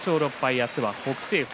明日は北青鵬。